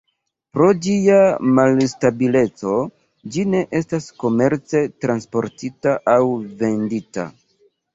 Pro ĝia malstabileco ĝi ne estas komerce transportita aŭ vendita.